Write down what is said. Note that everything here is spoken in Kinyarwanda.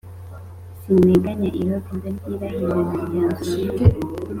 sinteganya irobe ; ndaryirahira, nkaryanzura vuba !»